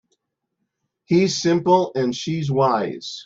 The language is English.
He's simple and she's wise.